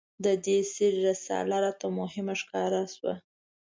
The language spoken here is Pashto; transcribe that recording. د دې سیر رساله راته مهمه ښکاره شوه.